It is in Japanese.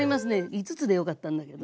５つでよかったんだけど。